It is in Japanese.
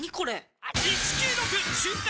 「１９６瞬間